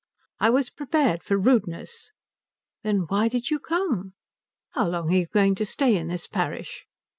"I was prepared for rudeness." "Then why did you come?" "How long are you going to stay in this parish?"